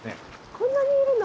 こんなにいるの？